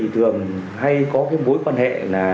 thường hay có mối quan hệ